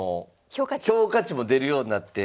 評価値も出るようになって。